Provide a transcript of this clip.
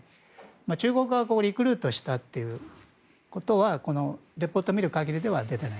中国側がリクルートしたということはレポート見る限りでは出てない。